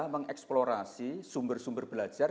mengeksplorasi sumber sumber belajar